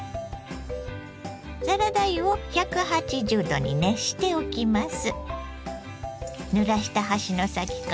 サラダ油を１８０℃に熱しておきます。